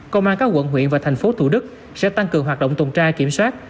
công an các quận huyện và thành phố thủ đức sẽ tăng cường hoạt động tuần tra kiểm soát